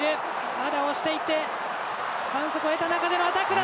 まだ押していって反則を得た中でのアタックだ！